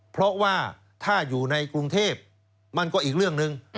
เพราะว่าถ้าอยู่ในกรุงเทพมันก็อีกเรื่องหนึ่ง